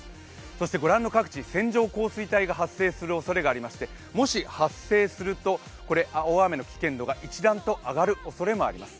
そしてご覧の各地、線状降水帯が発生するおそれがありましてもし発生すると大雨危険度が一段と上がるおそれもあります。